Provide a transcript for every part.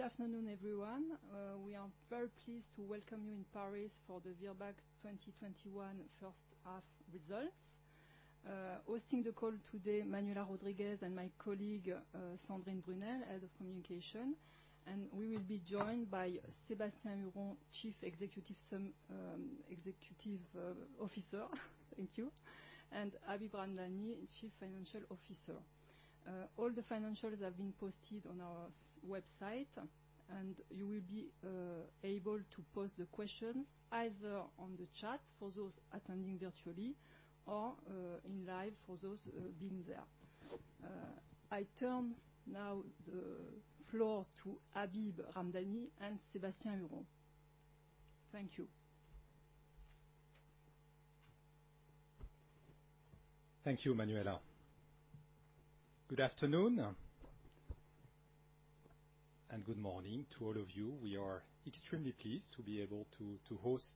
Good afternoon, everyone. We are very pleased to welcome you in Paris for the Virbac 2021 first half results. Hosting the call today, Manuela Rodriguez and my colleague, Sandrine Brunel, Head of Communication. We will be joined by Sébastien Huron, Chief Executive Officer, thank you, and Habib Ramdani, Chief Financial Officer. All the financials have been posted on our website, and you will be able to pose the question either on the chat for those attending virtually or in live for those being there. I turn now the floor to Habib Ramdani and Sébastien Huron. Thank you. Thank you, Manuela. Good afternoon and good morning to all of you. We are extremely pleased to be able to host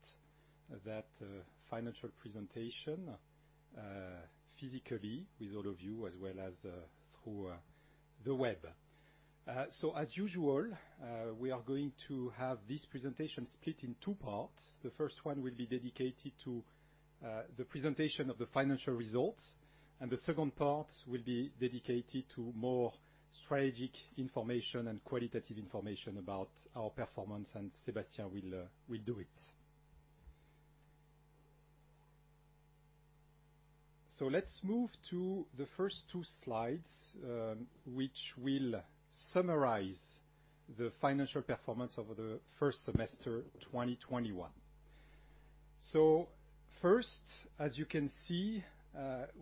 that financial presentation physically with all of you, as well as through the web. As usual, we are going to have this presentation split in two parts. The first one will be dedicated to the presentation of the financial results, and the second part will be dedicated to more strategic information and qualitative information about our performance, and Sébastien will do it. Let's move to the first two slides, which will summarize the financial performance over the first semester 2021. First, as you can see,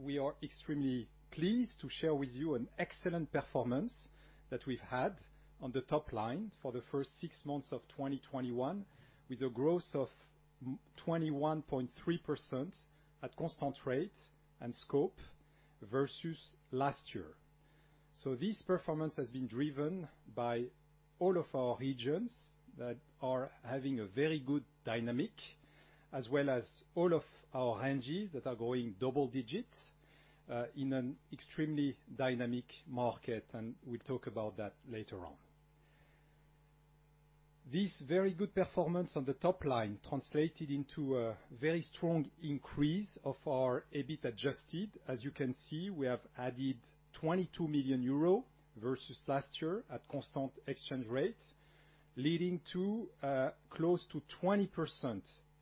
we are extremely pleased to share with you an excellent performance that we've had on the top line for the first six months of 2021, with a growth of 21.3% at constant rate and scope versus last year. This performance has been driven by all of our regions that are having a very good dynamic, as well as all of our ranges that are growing double digits, in an extremely dynamic market, and we'll talk about that later on. This very good performance on the top line translated into a very strong increase of our Adjusted EBIT. As you can see, we have added 22 million euro versus last year at constant exchange rates, leading to close to 20%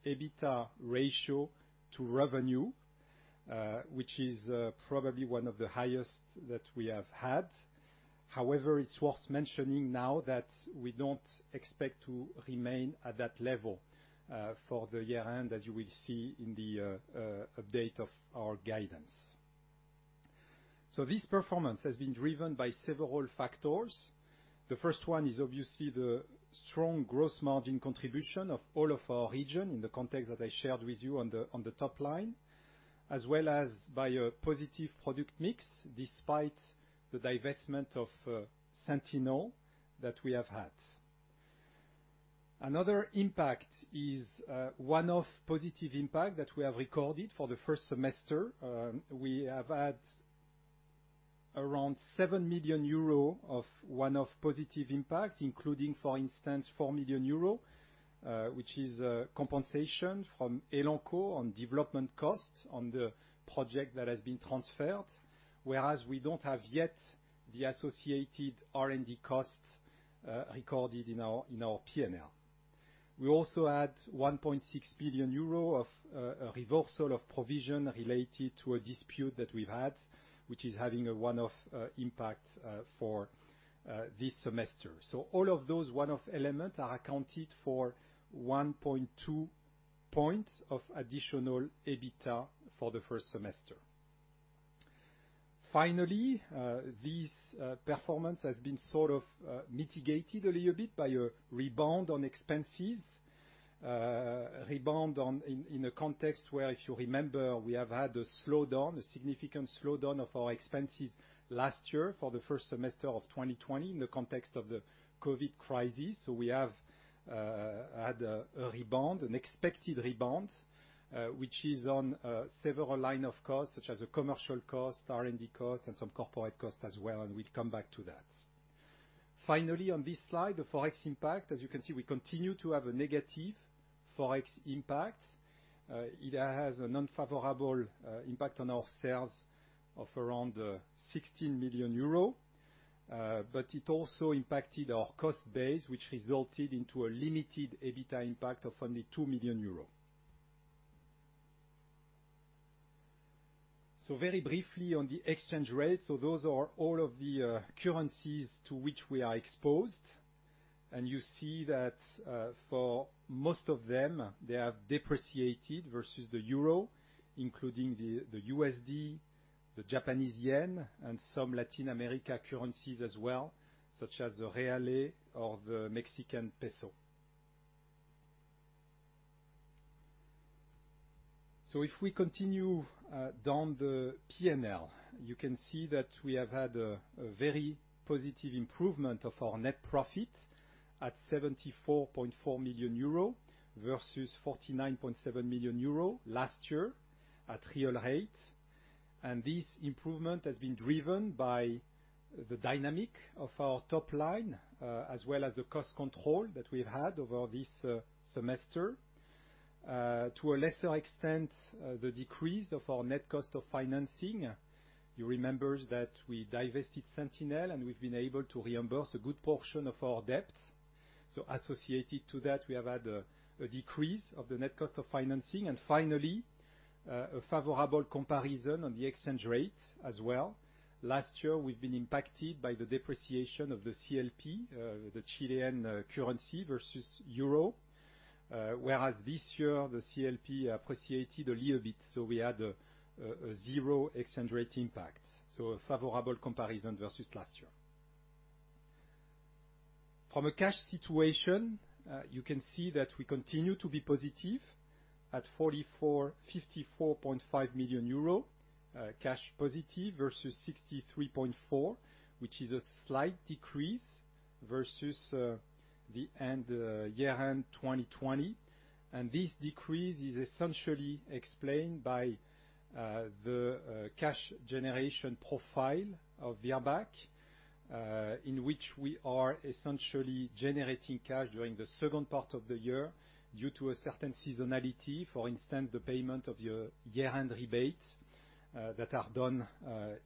EBITDA ratio to revenue, which is probably one of the highest that we have had. However, it's worth mentioning now that we don't expect to remain at that level for the year-end, as you will see in the update of our guidance. This performance has been driven by several factors. The first one is obviously the strong gross margin contribution of all of our regions in the context that I shared with you on the top line, as well as by a positive product mix despite the divestment of SENTINEL that we have had. Another impact is one-off positive impact that we have recorded for the first semester. We have had around 7 million euro of one-off positive impact, including, for instance, 4 million euro, which is compensation from Elanco on development costs on the project that has been transferred, whereas we don't have yet the associated R&D costs recorded in our P&L. We also had 1.6 billion euro of reversal of provision related to a dispute that we've had, which is having a one-off impact for this semester. All of those one-off elements are accounted for 1.2 points of additional EBITDA for the first semester. This performance has been sort of mitigated a little bit by a rebound on expenses. Rebound in a context where, if you remember, we have had a slowdown, a significant slowdown of our expenses last year for the first semester of 2020 in the context of the COVID crisis. We have had a rebound, an expected rebound, which is on several line of costs, such as commercial costs, R&D costs, and some corporate costs as well, and we'll come back to that. On this slide, the Forex impact. As you can see, we continue to have a negative Forex impact. It has an unfavorable impact on our sales of around 16 million euro, but it also impacted our cost base, which resulted into a limited EBITDA impact of only 2 million euros. Very briefly on the exchange rate. Those are all of the currencies to which we are exposed, and you see that for most of them, they have depreciated versus the euro, including the USD, the Japanese yen, and some Latin America currencies as well, such as the real or the Mexican peso. If we continue down the P&L, you can see that we have had a very positive improvement of our net profit at 74.4 million euro versus 49.7 million euro last year at real rate. This improvement has been driven by the dynamic of our top line, as well as the cost control that we've had over this semester. To a lesser extent, the decrease of our net cost of financing. You remember that we divested SENTINEL, and we've been able to reimburse a good portion of our debt. Associated to that, we have had a decrease of the net cost of financing. Finally, a favorable comparison on the exchange rate as well. Last year, we've been impacted by the depreciation of the CLP, the Chilean currency versus EUR, whereas this year the CLP appreciated a little bit, so we had a zero exchange rate impact. A favorable comparison versus last year. From a cash situation, you can see that we continue to be positive at 54.5 million euro cash positive versus 63.4, which is a slight decrease versus the year-end 2020. This decrease is essentially explained by the cash generation profile of Virbac, in which we are essentially generating cash during the second part of the year due to a certain seasonality. For instance, the payment of year-end rebates that are done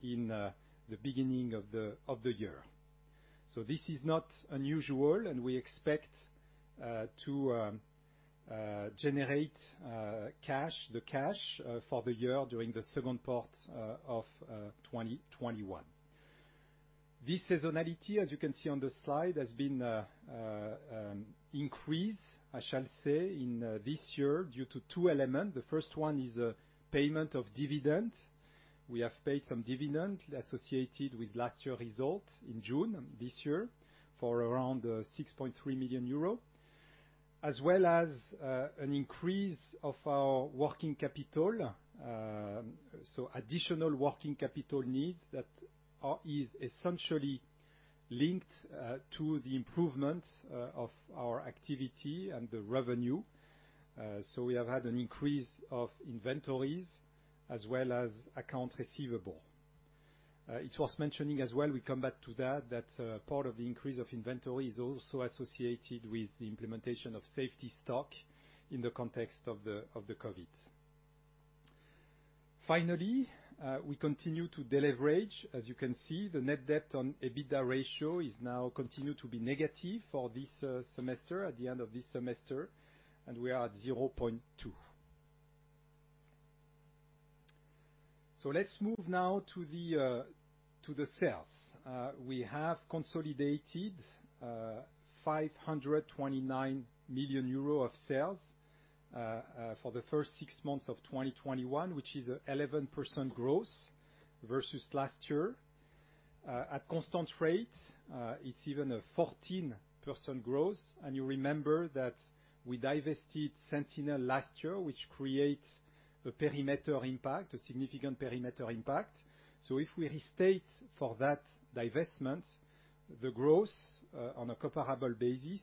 in the beginning of the year. This is not unusual, and we expect to generate the cash for the year during the second part of 2021. This seasonality, as you can see on the slide, has been increased, I shall say, in this year due to two elements. The first one is a payment of dividend. We have paid some dividend associated with last year result in June this year for around 6.3 million euros, as well as an increase of our working capital. Additional working capital needs that is essentially linked to the improvement of our activity and the revenue. We have had an increase of inventories as well as accounts receivable. It was mentioning as well, we come back to that part of the increase of inventory is also associated with the implementation of safety stock in the context of the COVID. Finally, we continue to deleverage. As you can see, the net debt on EBITDA ratio is now continue to be negative for this semester, at the end of this semester. We are at 0.2. Let's move now to the sales. We have consolidated 529 million euro of sales for the first six months of 2021, which is 11% growth versus last year. At constant rate, it's even a 14% growth. You remember that we divested SENTINEL last year, which creates a significant perimeter impact. If we restate for that divestment, the growth on a comparable basis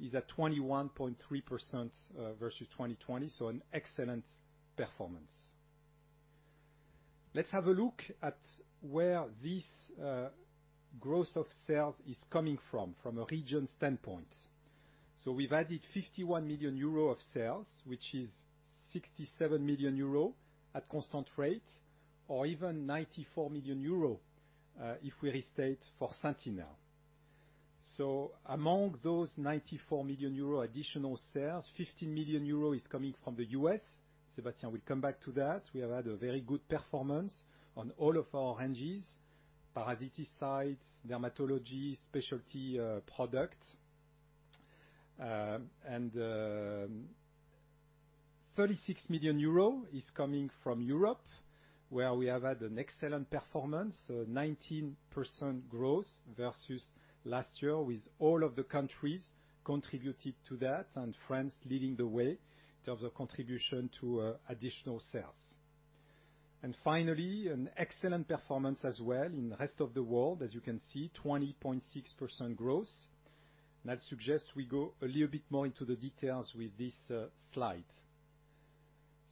is at 21.3% versus 2020. An excellent performance. Let's have a look at where this growth of sales is coming from a region standpoint. We've added 51 million euro of sales, which is 67 million euro at constant rate, or even 94 million euro, if we restate for SENTINEL. Among those 94 million euro additional sales, 50 million euro is coming from the U.S. Sébastien will come back to that. We have had a very good performance on all of our ranges, parasiticides, dermatology, specialty product. 36 million euro is coming from Europe, where we have had an excellent performance, 19% growth versus last year, with all of the countries contributing to that, and France leading the way in terms of contribution to additional sales. Finally, an excellent performance as well in the rest of the world. As you can see, 20.6% growth. I'd suggest we go a little bit more into the details with this slide.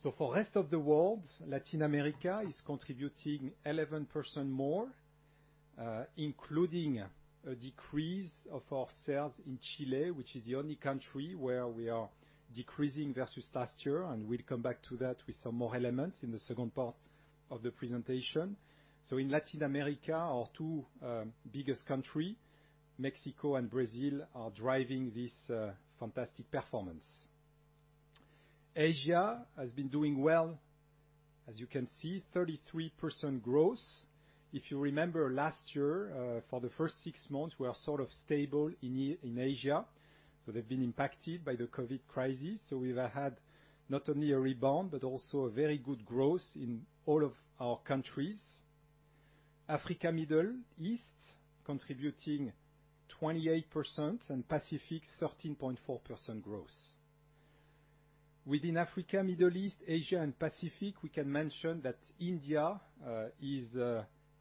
For rest of the world, Latin America is contributing 11% more, including a decrease of our sales in Chile, which is the only country where we are decreasing versus last year. We'll come back to that with some more elements in the second part of the presentation. In Latin America, our two biggest countries, Mexico and Brazil, are driving this fantastic performance. Asia has been doing well. As you can see, 33% growth. If you remember last year, for the first six months, we are sort of stable in Asia, so they've been impacted by the COVID crisis. We've had not only a rebound, but also a very good growth in all of our countries. Africa, Middle East contributing 28%, and Pacific 13.4% growth. Within Africa, Middle East, Asia, and Pacific, we can mention that India is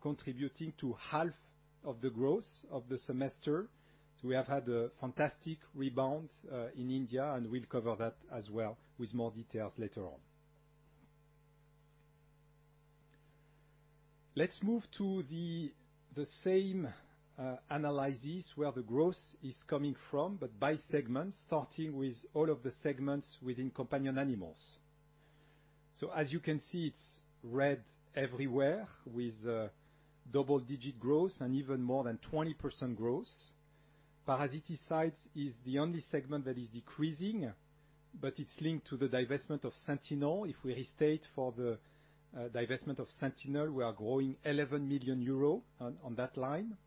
contributing to half of the growth of the semester. We have had a fantastic rebound in India, and we'll cover that as well with more details later on. Let's move to the same analysis where the growth is coming from, but by segment, starting with all of the segments within companion animals. As you can see, it's red everywhere with double-digit growth and even more than 20% growth. Parasiticides is the only segment that is decreasing, but it's linked to the divestment of SENTINEL. If we restate for the divestment of SENTINEL, we are growing 11 million euro on that line.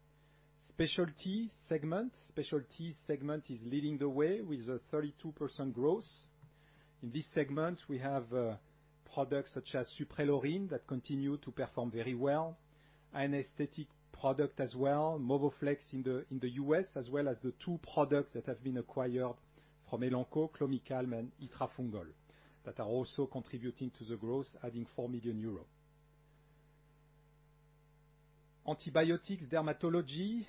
Specialty segment is leading the way with a 32% growth. In this segment, we have products such as Suprelorin that continue to perform very well, anesthetic product as well, MOVOFLEX in the U.S., as well as the two products that have been acquired from Elanco, Clomicalm and Itrafungol, that are also contributing to the growth, adding 4 million euros. Antibiotics, dermatology,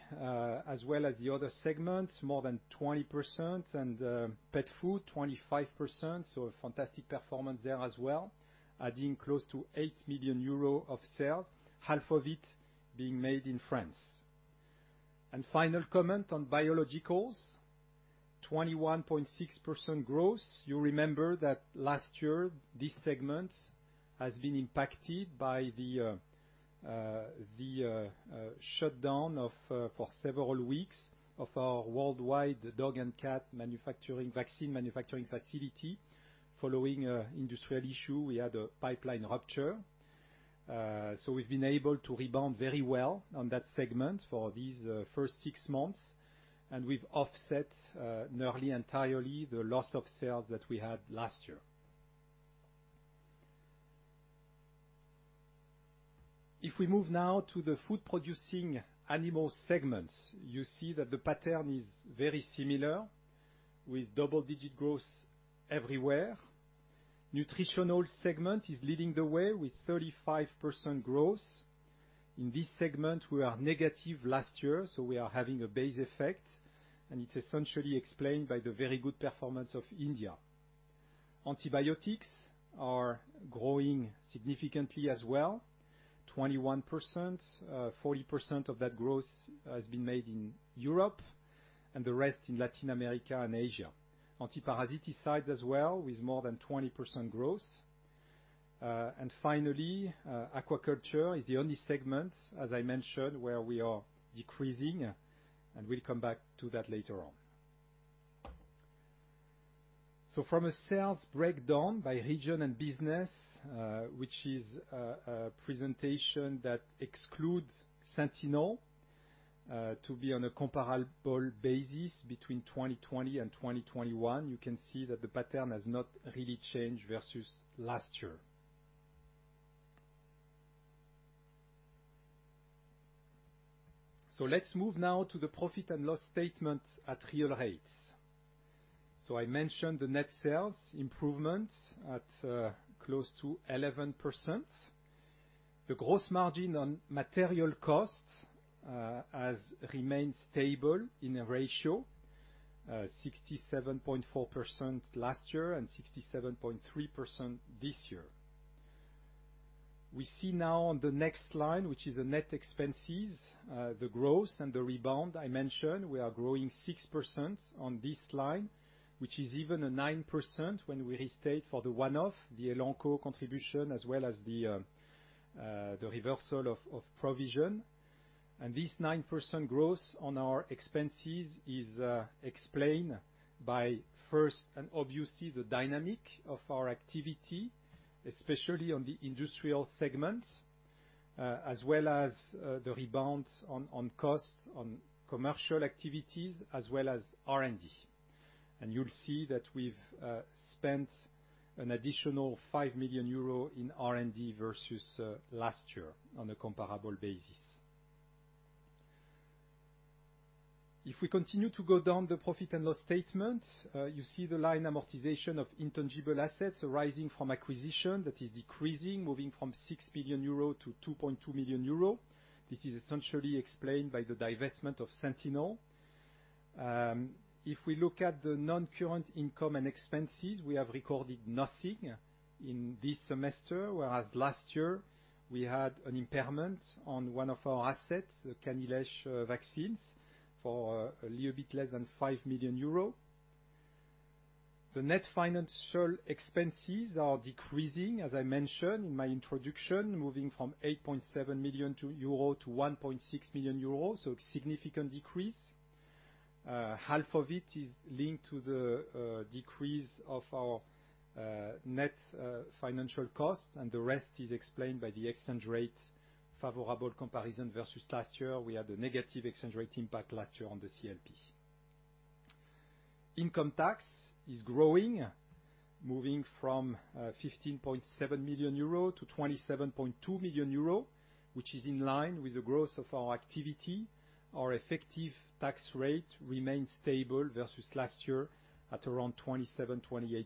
as well as the other segments, more than 20%, and pet food 25%. A fantastic performance there as well, adding close to 8 million euros of sales, half of it being made in France. Final comment on biologicals, 21.6% growth. You remember that last year, this segment has been impacted by the shutdown for several weeks of our worldwide dog and cat vaccine manufacturing facility. Following an industrial issue, we had a pipeline rupture. We've been able to rebound very well on that segment for these first six months, and we've offset nearly entirely the loss of sales that we had last year. If we move now to the food-producing animals segments, you see that the pattern is very similar, with double-digit growth everywhere. Nutritional segment is leading the way with 35% growth. In this segment, we are negative last year, so we are having a base effect, and it's essentially explained by the very good performance of India. Antibiotics are growing significantly as well, 21%. 40% of that growth has been made in Europe, and the rest in Latin America and Asia. Antiparasiticides as well, with more than 20% growth. Finally, aquaculture is the only segment, as I mentioned, where we are decreasing, and we'll come back to that later on. From a sales breakdown by region and business, which is a presentation that excludes SENTINEL, to be on a comparable basis between 2020 and 2021. You can see that the pattern has not really changed versus last year. Let's move now to the profit and loss statement at real rates. I mentioned the net sales improvement at close to 11%. The gross margin on material costs has remained stable in a ratio, 67.4% last year and 67.3% this year. We see now on the next line, which is the net expenses, the growth and the rebound I mentioned. We are growing 6% on this line, which is even a 9% when we restate for the one-off, the Elanco contribution as well as the reversal of provision. This 9% growth on our expenses is explained by first and obviously the dynamic of our activity, especially on the industrial segment, as well as the rebound on costs on commercial activities as well as R&D. You'll see that we've spent an additional 5 million euro in R&D versus last year on a comparable basis. If we continue to go down the profit and loss statement, you see the line amortization of intangible assets arising from acquisition that is decreasing, moving from 6 million euro to 2.2 million euro. This is essentially explained by the divestment of SENTINEL. If we look at the non-current income and expenses, we have recorded nothing in this semester, whereas last year we had an impairment on one of our assets, the CaniLeish vaccines, for a little bit less than 5 million euros. The net financial expenses are decreasing, as I mentioned in my introduction, moving from 8.7 million euro to 1.6 million euro, a significant decrease. Half of it is linked to the decrease of our net financial cost, and the rest is explained by the exchange rate favorable comparison versus last year. We had a negative exchange rate impact last year on the CLP. Income tax is growing, moving from 15.7 million euro to 27.2 million euro, which is in line with the growth of our activity. Our effective tax rate remains stable versus last year at around 27%-28%.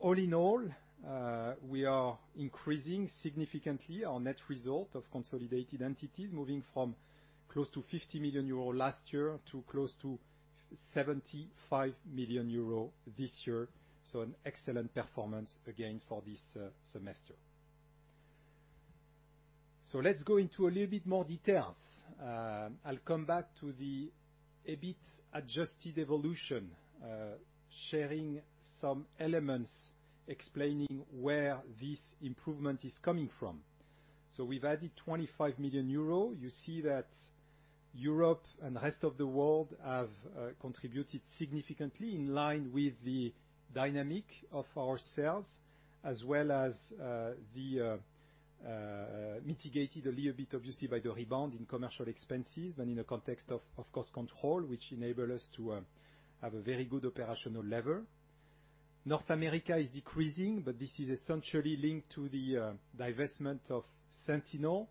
All in all, we are increasing significantly our net result of consolidated entities, moving from close to 50 million euro last year to close to 75 million euro this year. An excellent performance again for this semester. Let's go into a little bit more details. I'll come back to the Adjusted EBIT evolution, sharing some elements explaining where this improvement is coming from. We've added 25 million euro. You see that Europe and the rest of the world have contributed significantly in line with the dynamic of our sales, as well as, mitigated a little bit obviously by the rebound in commercial expenses, but in a context of cost control, which enable us to have a very good operational level. North America is decreasing, this is essentially linked to the divestment of Sentinel.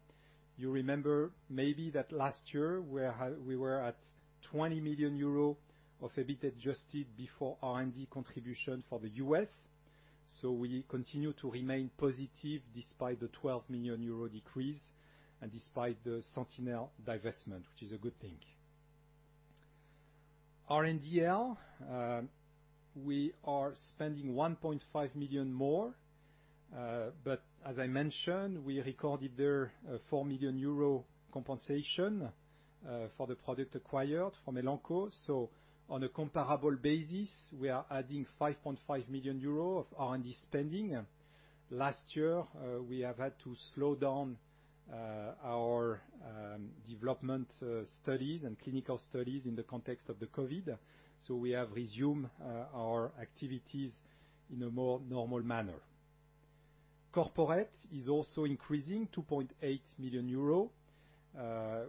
You remember maybe that last year we were at 20 million euro of Adjusted EBIT before R&D contribution for the U.S. We continue to remain positive despite the 12 million euro decrease and despite the Sentinel divestment, which is a good thing. R&D, we are spending 1.5 million more. As I mentioned, we recorded there a 4 million euro compensation for the product acquired from Elanco. On a comparable basis, we are adding 5.5 million euros of R&D spending. Last year, we have had to slow down our development studies and clinical studies in the context of the COVID. We have resumed our activities in a more normal manner. Corporate is also increasing 2.8 million euro,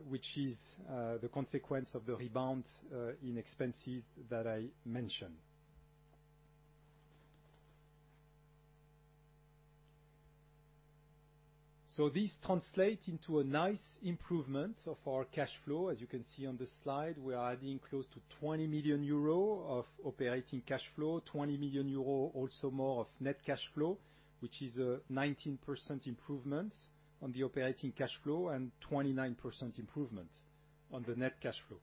which is the consequence of the rebound in expenses that I mentioned. This translates into a nice improvement of our cash flow. As you can see on the slide, we are adding close to 20 million euro of operating cash flow, 20 million euro also more of net cash flow, which is a 19% improvement on the operating cash flow and 29% improvement on the net cash flow.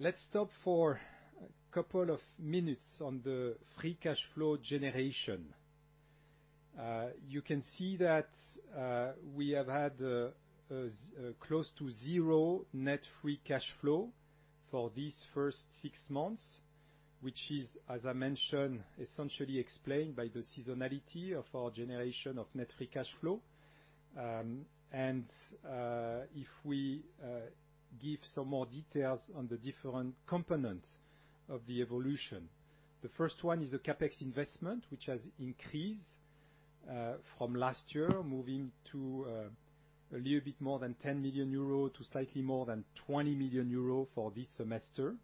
Let's stop for a couple of minutes on the free cash flow generation. You can see that we have had close to zero net free cash flow for these first six months, which is, as I mentioned, essentially explained by the seasonality of our generation of net free cash flow. If we give some more details on the different components of the evolution. The first one is the CapEx investment, which has increased from last year, moving to a little bit more than 10 million euro to slightly more than 20 million euro for this semester.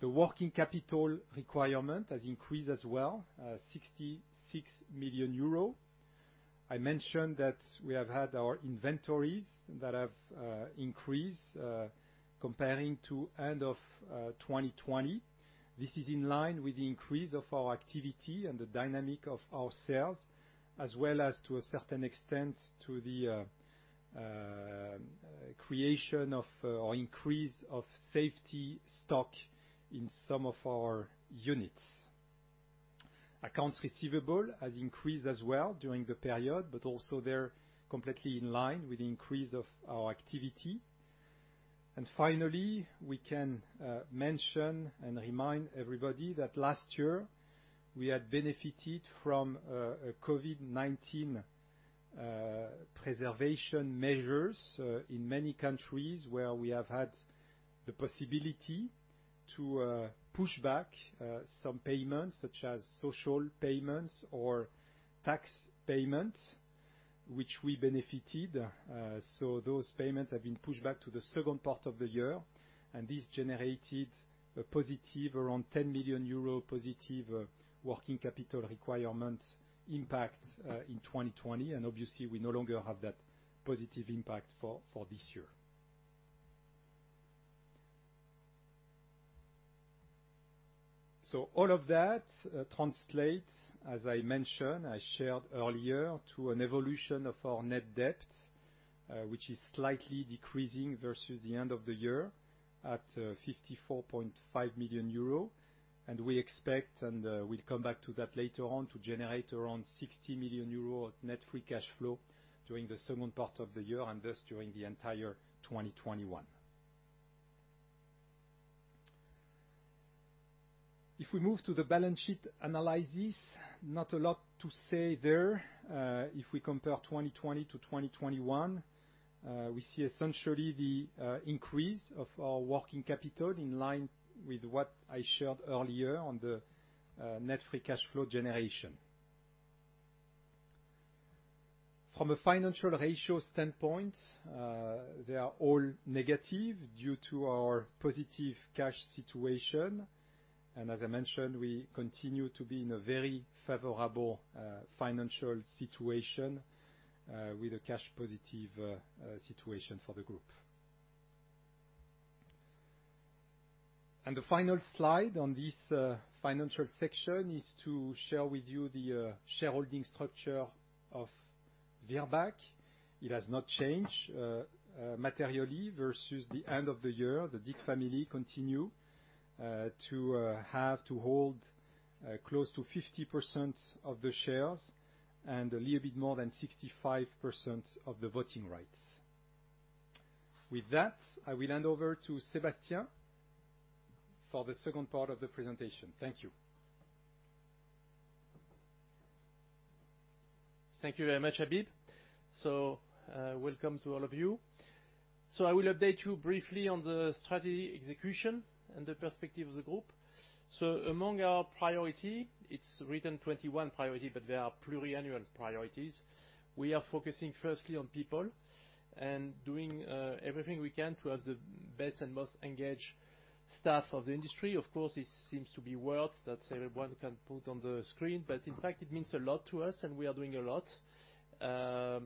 The working capital requirement has increased as well, 66 million euro. I mentioned that we have had our inventories that have increased comparing to end of 2020. This is in line with the increase of our activity and the dynamic of our sales, as well as to a certain extent, to the creation of or increase of safety stock in some of our units. Accounts receivable has increased as well during the period, but also they're completely in line with the increase of our activity. Finally, we can mention and remind everybody that last year we had benefited from COVID-19 preservation measures in many countries where we have had the possibility to push back some payments, such as social payments or tax payments, which we benefited. Those payments have been pushed back to the second part of the year, and this generated a positive around 10 million euro positive working capital requirement impact in 2020. Obviously, we no longer have that positive impact for this year. All of that translates, as I mentioned, I shared earlier, to an evolution of our net debt, which is slightly decreasing versus the end of the year at 54.5 million euro. We expect, and we'll come back to that later on, to generate around 60 million euro of net free cash flow during the second part of the year and thus during the entire 2021. If we move to the balance sheet analysis, not a lot to say there. If we compare 2020 to 2021, we see essentially the increase of our working capital in line with what I shared earlier on the net free cash flow generation. From a financial ratio standpoint, they are all negative due to our positive cash situation. As I mentioned, we continue to be in a very favorable financial situation, with a cash positive situation for the group. The final slide on this financial section is to share with you the shareholding structure of Virbac, it has not changed materially versus the end of the year. The Dick family continue to have to hold close to 50% of the shares and a little bit more than 65% of the voting rights. With that, I will hand over to Sébastien for the second part of the presentation. Thank you. Thank you very much, Habib. Welcome to all of you. I will update you briefly on the strategy execution and the perspective of the group. Among our priority, it's written 2021 priority, but they are pluriannual priorities. We are focusing firstly on people and doing everything we can to have the best and most engaged staff of the industry. Of course, it seems to be words that everyone can put on the screen, but in fact, it means a lot to us and we are doing a lot. I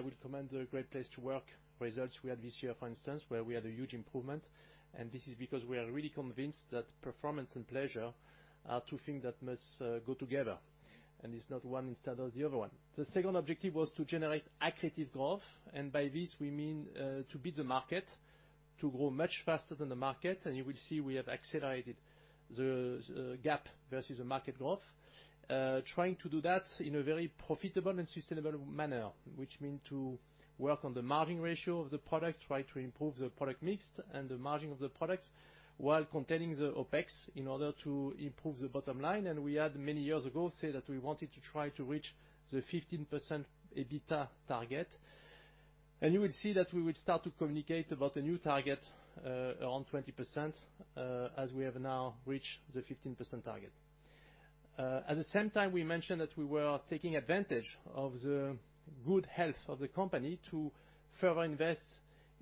will commend the Great Place To Work results we had this year, for instance, where we had a huge improvement, and this is because we are really convinced that performance and pleasure are two things that must go together, and it's not one instead of the other one. The second objective was to generate accretive growth, and by this we mean to beat the market, to grow much faster than the market, and you will see we have accelerated the gap versus the market growth. Trying to do that in a very profitable and sustainable manner, which mean to work on the margin ratio of the product, try to improve the product mix and the margin of the products while containing the OpEx in order to improve the bottom line. We had many years ago said that we wanted to try to reach the 15% EBITDA target. You will see that we will start to communicate about a new target, around 20%, as we have now reached the 15% target. At the same time, we mentioned that we were taking advantage of the good health of the company to further invest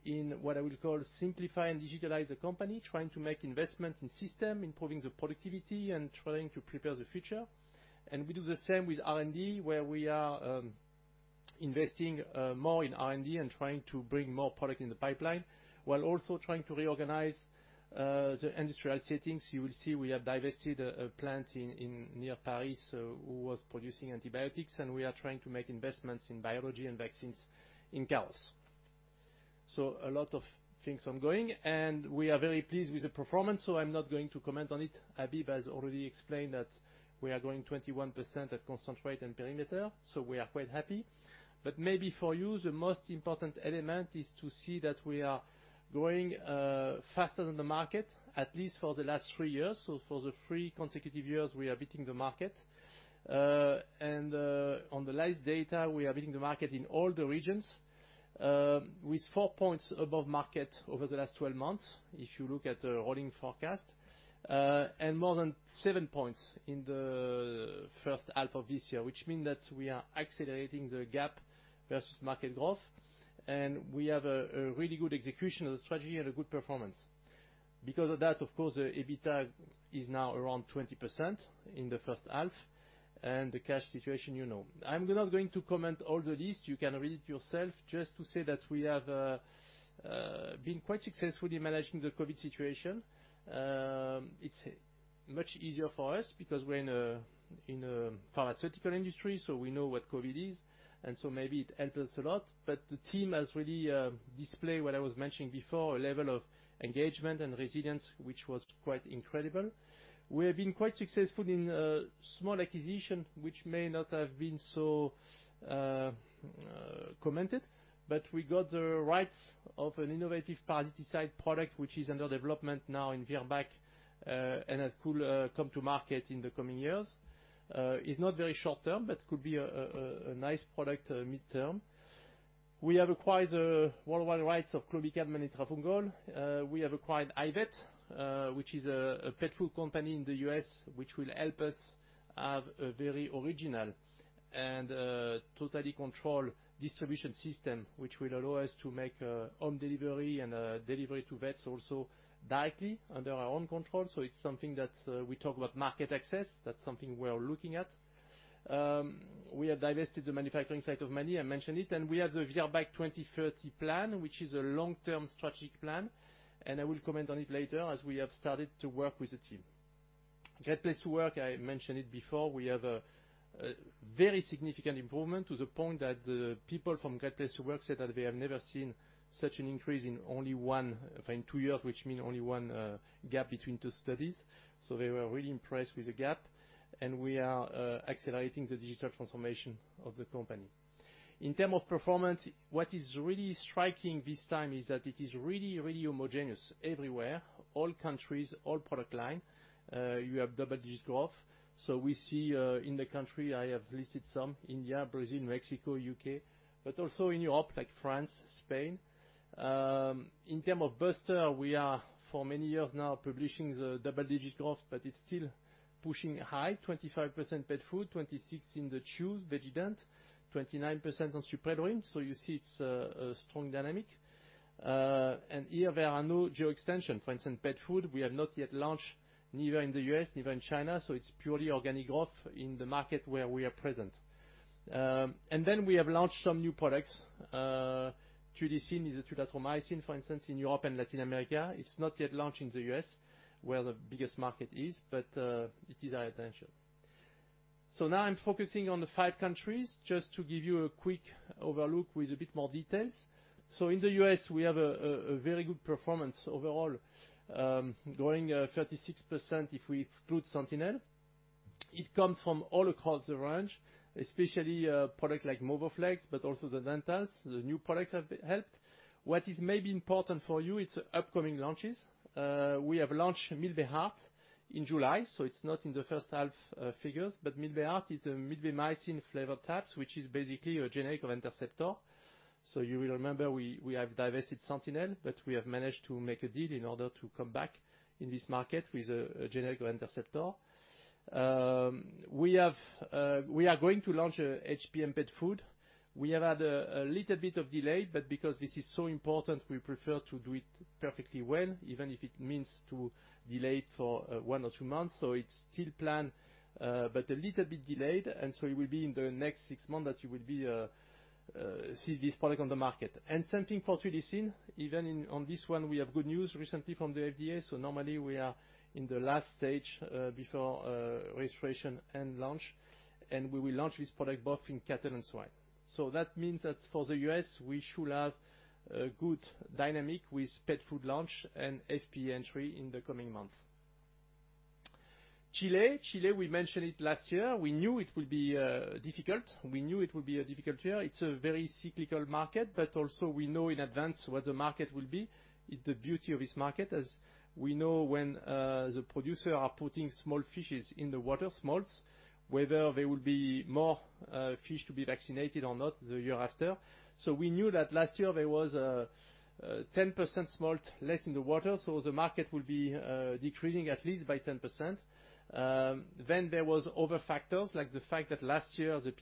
in what I would call simplify and digitalize the company, trying to make investments in system, improving the productivity, and trying to prepare the future. We do the same with R&D, where we are investing more in R&D and trying to bring more product in the pipeline, while also trying to reorganize the industrial settings. You will see we have divested a plant near Paris who was producing antibiotics, and we are trying to make investments in biology and vaccines in Carros. A lot of things ongoing, and we are very pleased with the performance, so I'm not going to comment on it. Habib has already explained that we are growing 21% at constant and perimeter, so we are quite happy. Maybe for you, the most important element is to see that we are growing faster than the market, at least for the last three years. For the three consecutive years, we are beating the market. On the last data, we are beating the market in all the regions, with four points above market over the last 12 months, if you look at the rolling forecast. More than seven points in the first half of this year, which mean that we are accelerating the gap versus market growth, and we have a really good execution of the strategy and a good performance. Because of that, of course, the EBITDA is now around 20% in the first half, and the cash situation you know. I'm not going to comment all the list. You can read it yourself. Just to say that we have been quite successful in managing the COVID situation. It's much easier for us because we're in a pharmaceutical industry, we know what COVID is, maybe it helped us a lot. The team has really displayed, what I was mentioning before, a level of engagement and resilience which was quite incredible. We have been quite successful in a small acquisition, which may not have been so commented, we got the rights of an innovative parasite product which is under development now in Virbac, that could come to market in the coming years. It's not very short term, could be a nice product mid-term. We have acquired the worldwide rights of Clomicalm and Itrafungol. We have acquired iVet, which is a pet food company in the U.S., which will help us have a very original and totally controlled distribution system, which will allow us to make home delivery and delivery to vets also directly under our own control. It's something that we talk about market access. That's something we are looking at. We have divested the manufacturing site of Magny-en-Vexin, I mentioned it, and we have the Virbac 2030 plan, which is a long-term strategic plan, and I will comment on it later as we have started to work with the team. Great Place To Work, I mentioned it before, we have a very significant improvement to the point that the people from Great Place To Work said that they have never seen such an increase in two years, which mean only one gap between two studies. They were really impressed with the gap. We are accelerating the digital transformation of the company. In terms of performance, what is really striking this time is that it is really homogeneous everywhere, all countries, all product lines, you have double-digit growth. We see in the country I have listed some, India, Brazil, Mexico, U.K., but also in Europe, like France, Spain. In terms of booster, we are for many years now publishing the double-digit growth, but it's still pushing high, 25% pet food, 26% in the chews, Veggiedent, 29% on Suprelorin. You see it's a strong dynamic. Here there are no geo-extension. For instance, pet food, we have not yet launched neither in the U.S., neither in China. It's purely organic growth in the market where we are present. We have launched some new products. Tulissin is a tulathromycin, for instance, in Europe and Latin America. It's not yet launched in the U.S., where the biggest market is. It is our intention. Now I'm focusing on the five countries, just to give you a quick overlook with a bit more details. In the U.S., we have a very good performance overall, growing 36% if we exclude Sentinel. It comes from all across the range, especially a product like MOVOFLEX, but also the dentals, the new products have helped. What is maybe important for you, its upcoming launches. We have launched MILBEHART in July, so it's not in the first half figures, MILBEHART is a milbemycin flavored tabs, which is basically a generic of Interceptor. You will remember, we have divested SENTINEL, but we have managed to make a deal in order to come back in this market with a generic of Interceptor. We are going to launch HPM pet food. We have had a little bit of delay, but because this is so important, we prefer to do it perfectly well, even if it means to delay it for one or two months. It's still planned, but a little bit delayed, and so it will be in the next six months that you will see this product on the market. Same thing for Tulissin, even on this one, we have good news recently from the FDA, so normally we are in the last stage, before registration and launch, and we will launch this product both in cattle and swine. That means that for the U.S., we should have a good dynamic with pet food launch and FP entry in the coming months. Chile, we mentioned it last year. We knew it would be difficult. We knew it would be a difficult year. It's a very cyclical market, but also we know in advance what the market will be. It's the beauty of this market, as we know when the producer are putting small fishes in the water, smolts, whether there will be more fish to be vaccinated or not the year after. We knew that last year there was 10% smolt less in the water, so the market will be decreasing at least by 10%. There was other factors, like the fact that last year, the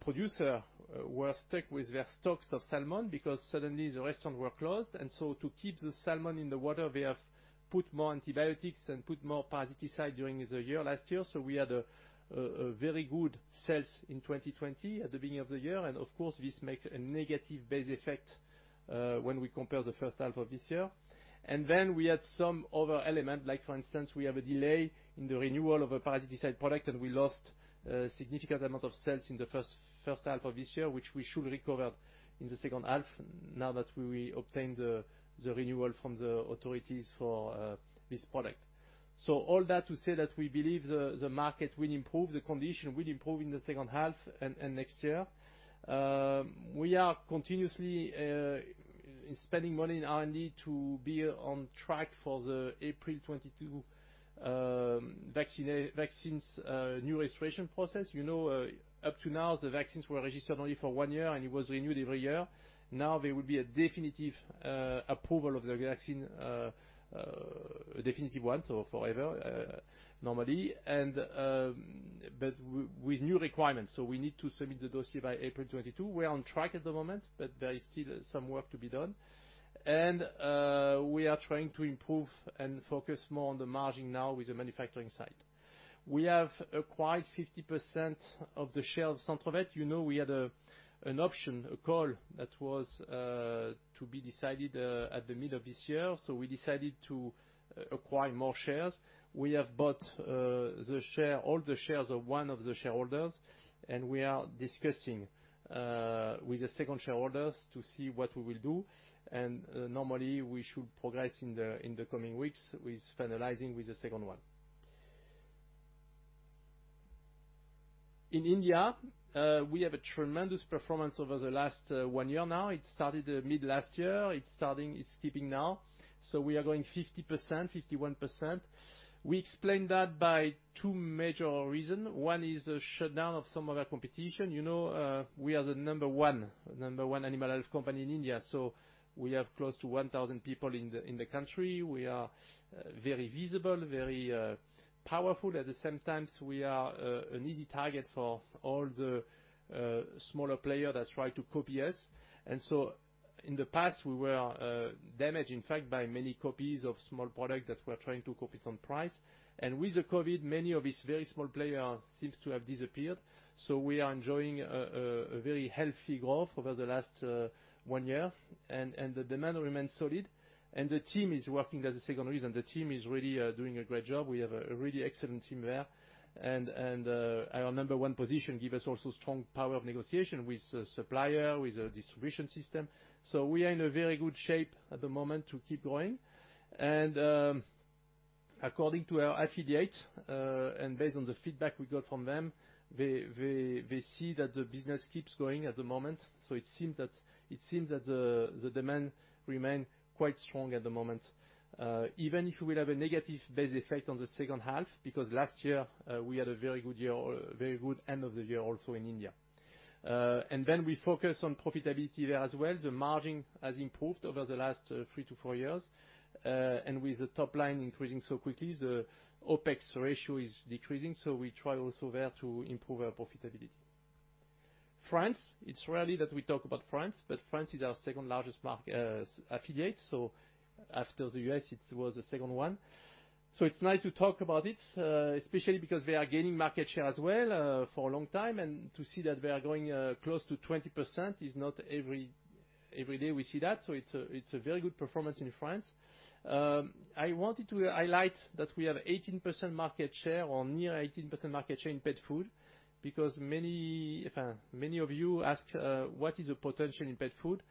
producer were stuck with their stocks of salmon because suddenly the restaurant were closed, and so to keep the salmon in the water, they have put more antibiotics and put more parasiticide during the year last year. We had a very good sales in 2020 at the beginning of the year, and of course, this makes a negative base effect when we compare the first half of this year. We had some other element, like for instance, we have a delay in the renewal of a parasiticide product, and we lost a significant amount of sales in the first half of this year, which we should recover in the second half now that we obtained the renewal from the authorities for this product. All that to say that we believe the market will improve, the condition will improve in the second half and next year. We are continuously spending money in R&D to be on track for the April 2022 vaccines new registration process. Up to now, the vaccines were registered only for one year, and it was renewed every year. There will be a definitive approval of the vaccine, a definitive one, so forever, normally, but with new requirements. We need to submit the dossier by April 2022. We're on track at the moment, but there is still some work to be done. We are trying to improve and focus more on the margin now with the manufacturing side. We have acquired 50% of the share of Centrovet. You know we had an option, a call that was to be decided at the middle of this year. We decided to acquire more shares. We have bought all the shares of one of the shareholders. We are discussing with the second shareholders to see what we will do, and normally, we should progress in the coming weeks with finalizing with the second one. In India, we have a tremendous performance over the last one year now. It started mid last year. It's keeping now. We are growing 50%, 51%. We explain that by two major reason. One is a shutdown of some of our competition. We are the number one animal health company in India. We have close to 1,000 people in the country. We are very visible, very powerful. At the same time, we are an easy target for all the smaller player that try to copy us. In the past, we were damaged, in fact, by many copies of small product that were trying to copy from price. With the COVID, many of these very small player seems to have disappeared. We are enjoying a very healthy growth over the last one year, and the demand remains solid, and the team is working. That's the second reason. The team is really doing a great job. We have a really excellent team there. Our number one position give us also strong power of negotiation with supplier, with the distribution system. We are in a very good shape at the moment to keep growing. According to our affiliates, and based on the feedback we got from them, they see that the business keeps growing at the moment. It seems that the demand remain quite strong at the moment. Even if we will have a negative base effect on the second half, because last year, we had a very good end of the year also in India. Then we focus on profitability there as well. The margin has improved over the last three to four years. With the top line increasing so quickly, the OpEx ratio is decreasing. We try also there to improve our profitability. France, it's rarely that we talk about France, but France is our second largest affiliate. After the U.S., it was the second one. It's nice to talk about it, especially because we are gaining market share as well, for a long time, and to see that we are growing close to 20% is not every day we see that. It's a very good performance in France. I wanted to highlight that we have 18% market share or near 18% market share in pet food, because many of you ask what is the potential in pet food.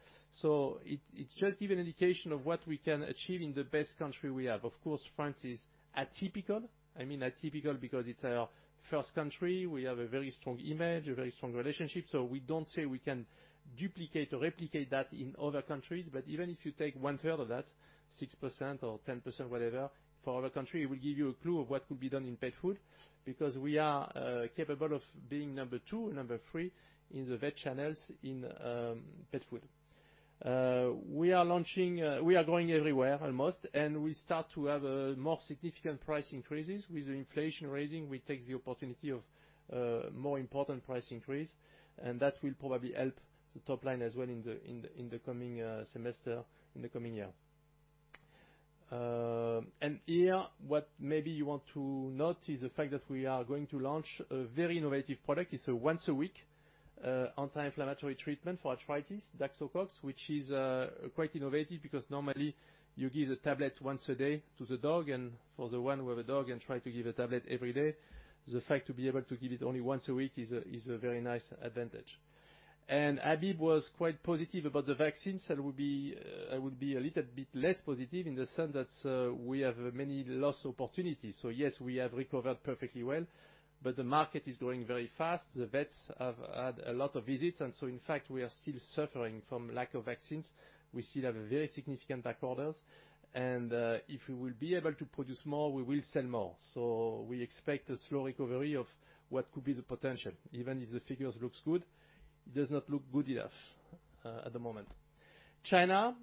It just give an indication of what we can achieve in the best country we have. Of course, France is atypical. I mean, atypical because it's our first country. We have a very strong image, a very strong relationship. We don't say we can duplicate or replicate that in other countries, but even if you take 1/3 of that, 6% or 10%, whatever, for other country, it will give you a clue of what could be done in pet food. We are capable of being number two, number three in the vet channels in pet food. We are going everywhere almost, and we start to have more significant price increases. With the inflation raising, we take the opportunity of more important price increase, and that will probably help the top line as well in the coming semester, in the coming year. Here, what maybe you want to note is the fact that we are going to launch a very innovative product. It's a once a week anti-inflammatory treatment for arthritis, Daxocox, which is quite innovative because normally you give the tablet once a day to the dog and for the one who have a dog and try to give a tablet every day, the fact to be able to give it only once a week is a very nice advantage. Habib was quite positive about the vaccines, I would be a little bit less positive in the sense that we have many lost opportunities. Yes, we have recovered perfectly well, but the market is growing very fast. The vets have had a lot of visits, in fact, we are still suffering from lack of vaccines. We still have a very significant back orders, if we will be able to produce more, we will sell more. We expect a slow recovery of what could be the potential, even if the figures looks good, it does not look good enough at the moment. China.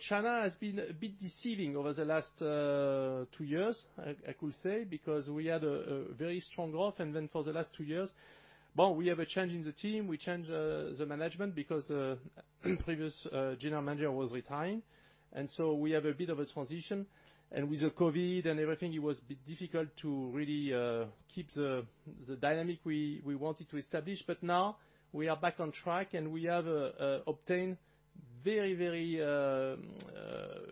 China has been a bit deceiving over the last two years, I could say, because we had a very strong growth. For the last two years, we have a change in the team, we change the management because the previous general manager was retiring. We have a bit of a transition. With the COVID and everything, it was a bit difficult to really keep the dynamic we wanted to establish. Now we are back on track, and we have obtained very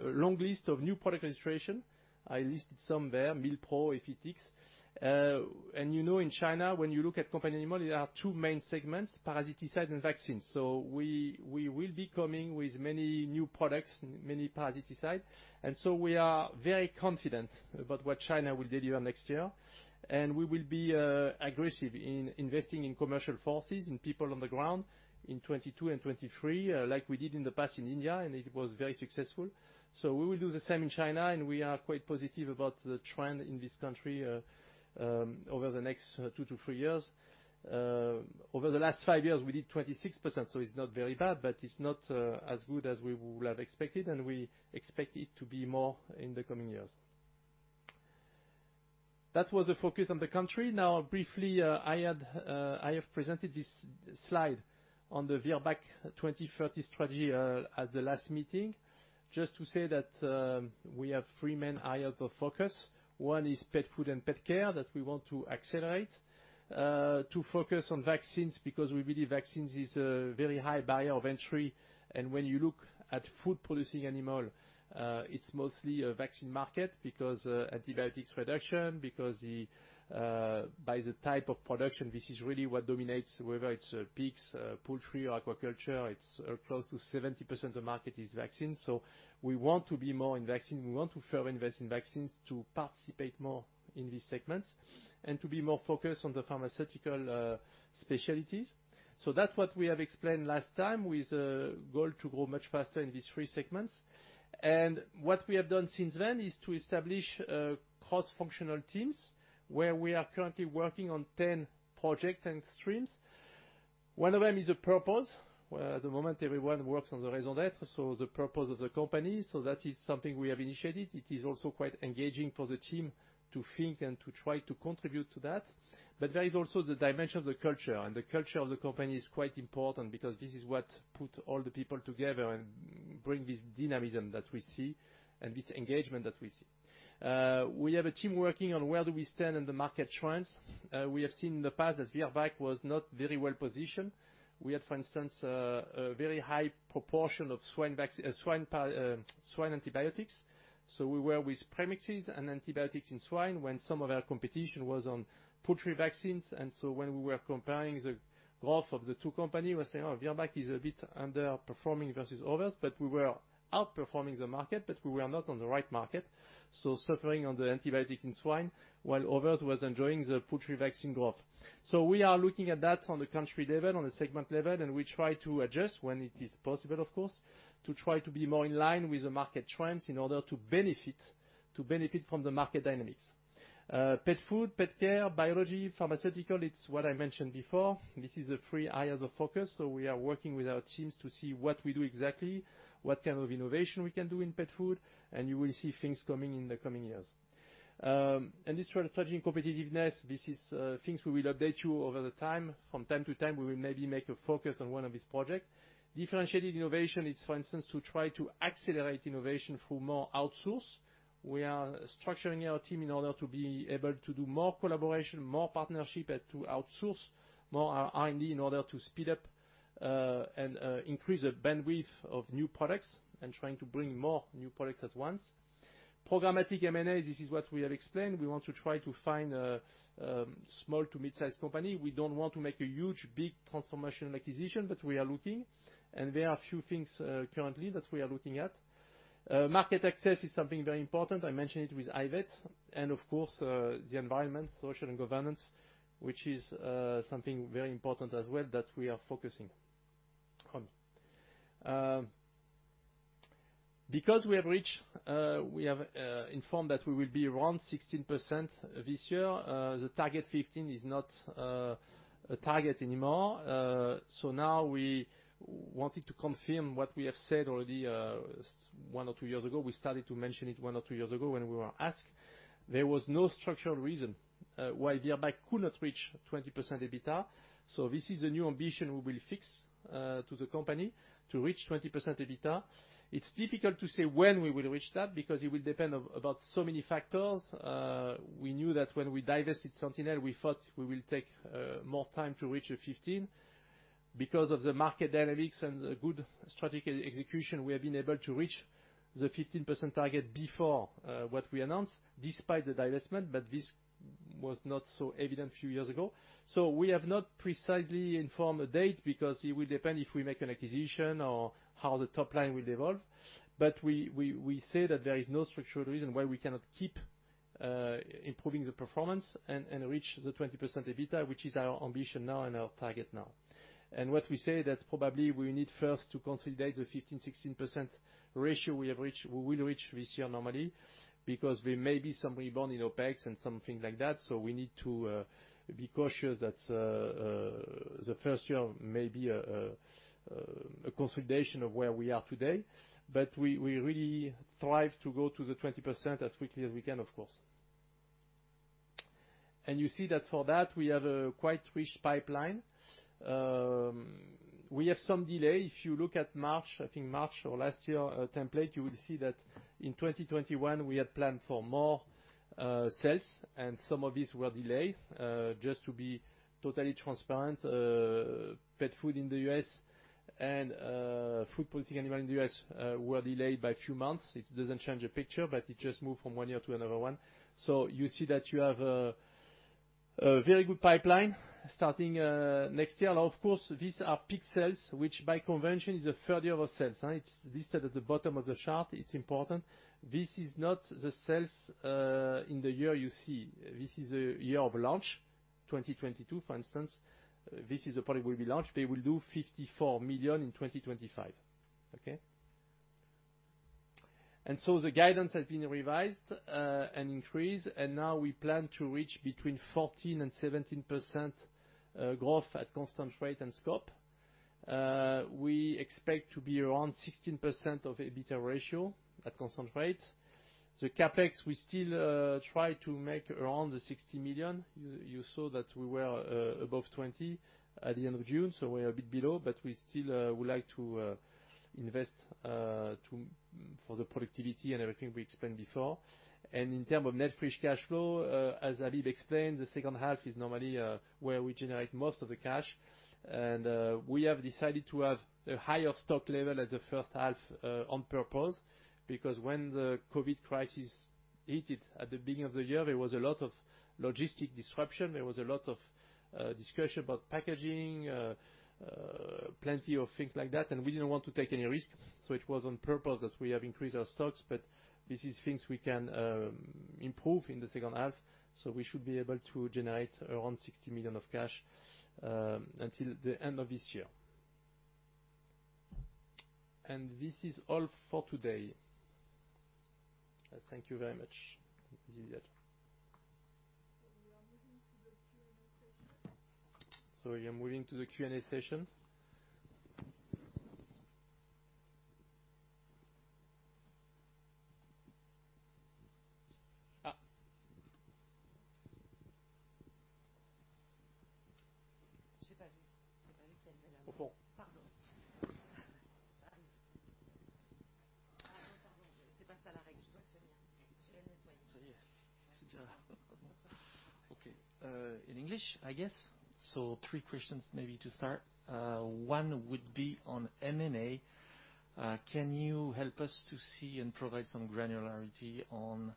long list of new product registration. I listed some there, Milpro, Effitix. You know in China when you look at companion animal, there are two main segments, parasiticides and vaccines. We will be coming with many new products, many parasiticides. We are very confident about what China will deliver next year. We will be aggressive in investing in commercial forces and people on the ground in 2022 and 2023, like we did in the past in India, and it was very successful. We will do the same in China, and we are quite positive about the trend in this country over the next two to three years. Over the last five years, we did 26%, it is not very bad, but it is not as good as we would have expected, and we expect it to be more in the coming years. That was the focus on the country. Briefly, I have presented this slide on the Virbac 2030 strategy at the last meeting. Just to say that we have three main areas of focus. One is pet food and pet care that we want to accelerate, to focus on vaccines because we believe vaccines is a very high barrier of entry, and when you look at food-producing animal, it's mostly a vaccine market because antibiotics reduction, because by the type of production, this is really what dominates, whether it's pigs, poultry or aquaculture, it's close to 70% of market is vaccine. We want to be more in vaccine. We want to further invest in vaccines to participate more in these segments and to be more focused on the pharmaceutical specialties. That's what we have explained last time with a goal to grow much faster in these three segments. What we have done since then is to establish cross-functional teams where we are currently working on 10 project and streams. One of them is a purpose, where at the moment everyone works on the raison d'être, so the purpose of the company. That is something we have initiated. It is also quite engaging for the team to think and to try to contribute to that. There is also the dimension of the culture, and the culture of the company is quite important because this is what put all the people together and bring this dynamism that we see and this engagement that we see. We have a team working on where do we stand in the market trends. We have seen in the past that Virbac was not very well positioned. We had, for instance, a very high proportion of swine antibiotics. We were with premixes and antibiotics in swine when some of our competition was on poultry vaccines. When we were comparing the growth of the two company, we say, "Oh, Virbac is a bit underperforming versus others," but we were outperforming the market, but we were not on the right market. Suffering on the antibiotic in swine while others was enjoying the poultry vaccine growth. We are looking at that on a country level, on a segment level, and we try to adjust when it is possible, of course, to try to be more in line with the market trends in order to benefit from the market dynamics. Pet food, pet care, biology, pharmaceutical, it's what I mentioned before. This is a three area of the focus. We are working with our teams to see what we do exactly, what kind of innovation we can do in pet food, and you will see things coming in the coming years. Industrial strategy and competitiveness, this is things we will update you over the time. From time to time, we will maybe make a focus on one of these project. Differentiated innovation is, for instance, to try to accelerate innovation through more outsource. We are structuring our team in order to be able to do more collaboration, more partnership, and to outsource more R&D in order to speed up, and increase the bandwidth of new products and trying to bring more new products at once. Programmatic M&A, this is what we have explained. We want to try to find a small to mid-size company. We don't want to make a huge, big transformational acquisition, but we are looking. There are a few things currently that we are looking at. Market access is something very important. I mentioned it with iVet. Of course, the environmental, social, and governance, which is something very important as well that we are focusing on. We have informed that we will be around 16% this year, the target 15% is not a target anymore. Now we wanted to confirm what we have said already one or two years ago. We started to mention it one or two years ago when we were asked. There was no structural reason why Virbac could not reach 20% EBITDA. This is a new ambition we will fix to the company, to reach 20% EBITDA. It's difficult to say when we will reach that, because it will depend about so many factors. We knew that when we divested Sentinel, we thought we will take more time to reach a 15%. Because of the market dynamics and the good strategic execution, we have been able to reach the 15% target before what we announced, despite the divestment, but this was not so evident a few years ago. We have not precisely informed a date, because it will depend if we make an acquisition or how the top line will evolve. We say that there is no structural reason why we cannot keep improving the performance and reach the 20% EBITDA, which is our ambition now and our target now. What we say, that probably we need first to consolidate the 15%-16% ratio we will reach this year normally, because there may be some rebound in OpEx and something like that. We need to be cautious that the first year may be a consolidation of where we are today. We really thrive to go to the 20% as quickly as we can, of course. You see that for that, we have a quite rich pipeline. We have some delay. If you look at March, I think March or last year template, you will see that in 2021, we had planned for more sales. Some of these were delayed. Just to be totally transparent, pet food in the U.S. and food-producing animal in the U.S. were delayed by a few months. It doesn't change the picture, but it just moved from one year to another one. You see that you have a very good pipeline starting next year. Now, of course, these are peak sales, which by convention is the third year of sales. It's listed at the bottom of the chart. It's important. This is not the sales in the year you see. This is the year of launch, 2022, for instance. This is the product will be launched. They will do 54 million in 2025. Okay. The guidance has been revised and increased, and now we plan to reach between 14%-17% growth at constant rate and scope. We expect to be around 16% of EBITDA ratio at constant rate. The CapEx, we still try to make around the 60 million. You saw that we were above 20 million at the end of June, so we're a bit below, but we still would like to invest for the productivity and everything we explained before. In terms of net free cash flow, as Habib explained, the second half is normally where we generate most of the cash. We have decided to have a higher stock level at the first half on purpose, because when the COVID crisis hit it at the beginning of the year, there was a lot of logistic disruption. There was a lot of discussion about packaging, plenty of things like that, and we didn't want to take any risk. It was on purpose that we have increased our stocks, but this is things we can improve in the second half. We should be able to generate around 60 million of cash until the end of this year. This is all for today. Thank you very much. This is it. We are moving to the Q&A session. We are moving to the Q&A session. Okay. In English, I guess. Three questions maybe to start. One would be on M&A. Can you help us to see and provide some granularity on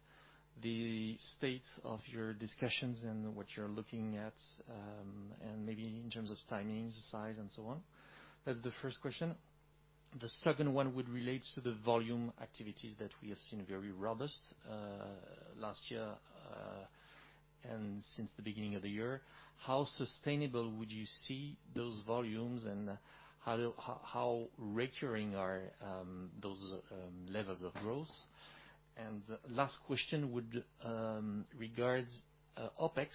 the state of your discussions and what you're looking at, and maybe in terms of timings, size, and so on? That's the first question. The second one would relate to the volume activities that we have seen very robust last year and since the beginning of the year. How sustainable would you see those volumes and how recurring are those levels of growth? Last question would regards OpEx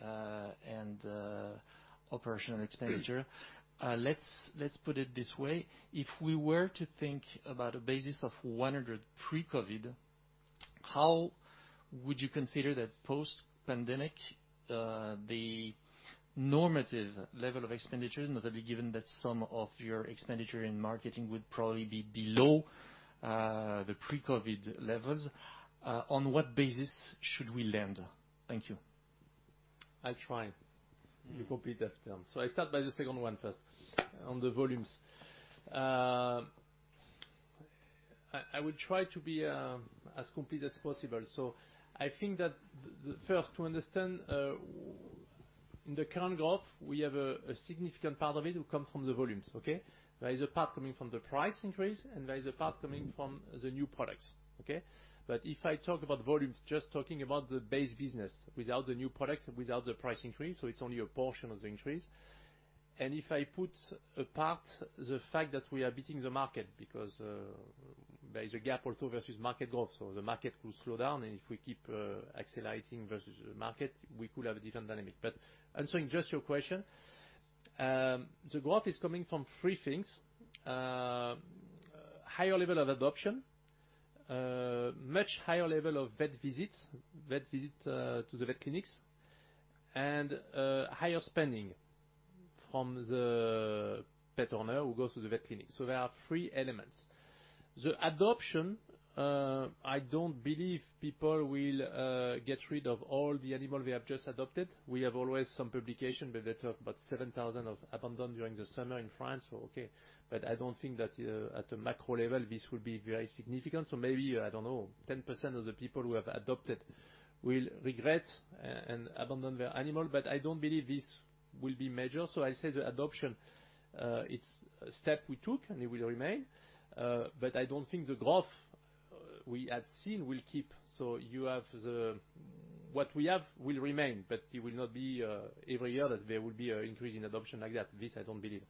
and operational expenditure. Let's put it this way. If we were to think about a basis of 100 pre-COVID, how would you consider that post-pandemic, the normative level of expenditures, notably given that some of your expenditure in marketing would probably be below the pre-COVID levels. On what basis should we land? Thank you. I'll try. You complete that term. I start by the second one first, on the volumes. I will try to be as complete as possible. I think that first, to understand, in the current growth, we have a significant part of it will come from the volumes. There is a part coming from the price increase, and there is a part coming from the new products. If I talk about volumes, just talking about the base business without the new products, without the price increase, so it's only a portion of the increase. If I put apart the fact that we are beating the market because there is a gap also versus market growth, so the market could slow down, and if we keep accelerating versus the market, we could have a different dynamic. Answering just your question, the growth is coming from three things. Higher level of adoption, much higher level of vet visits to the vet clinics, and higher spending from the pet owner who goes to the vet clinic. There are three elements. The adoption, I don't believe people will get rid of all the animals they have just adopted. We have always some publication, but they talk about 7,000 of abandon during the summer in France. I don't think that at a macro level, this will be very significant. Maybe, I don't know, 10% of the people who have adopted will regret and abandon their animal, but I don't believe this will be major. I say the adoption, it's a step we took, and it will remain. I don't think the growth we had seen will keep. What we have will remain, but it will not be every year that there will be an increase in adoption like that. This I don't believe.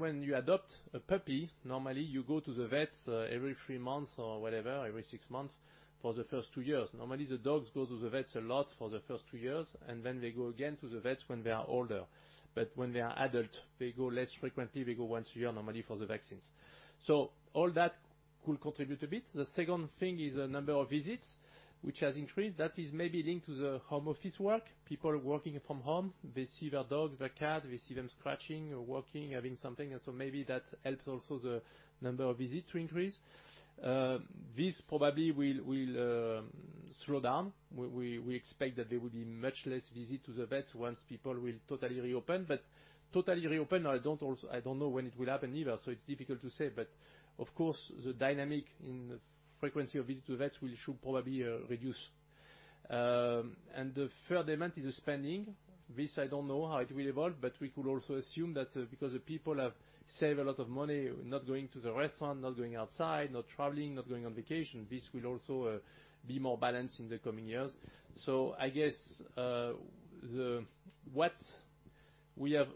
When you adopt a puppy, normally you go to the vets every three months or whatever, every six months for the first two years. Normally, the dogs go to the vets a lot for the first two years, and then they go again to the vets when they are older. When they are adult, they go less frequently. They go once a year normally for the vaccines. All that could contribute a bit. The second thing is the number of visits, which has increased. That is maybe linked to the home office work. People working from home. They see their dogs, their cat, they see them scratching or working, having something, maybe that helps also the number of visits to increase. This probably will slow down. We expect that there will be much less visit to the vet once people will totally reopen. Totally reopen, I don't know when it will happen either, it's difficult to say. Of course, the dynamic in the frequency of visits to vets should probably reduce. The third element is the spending. This, I don't know how it will evolve, but we could also assume that because the people have saved a lot of money, not going to the restaurant, not going outside, not traveling, not going on vacation, this will also be more balanced in the coming years. I guess what we have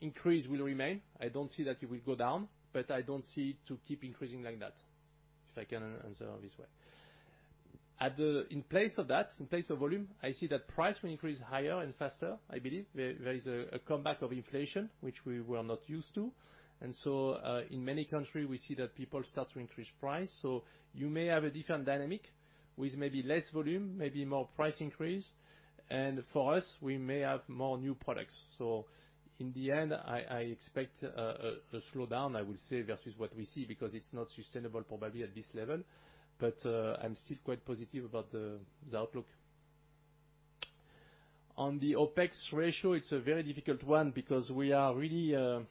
increased will remain. I don't see that it will go down, but I don't see it to keep increasing like that, if I can answer this way. In place of that, in place of volume, I see that price will increase higher and faster, I believe. There is a comeback of inflation, which we were not used to. In many countries, we see that people start to increase price. You may have a different dynamic with maybe less volume, maybe more price increase. For us, we may have more new products. In the end, I expect a slowdown, I will say, versus what we see, because it's not sustainable probably at this level. I'm still quite positive about the outlook. On the OpEx ratio, it's a very difficult one because we are really, as